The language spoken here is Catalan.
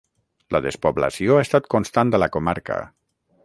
La despoblació ha estat constant a la comarca.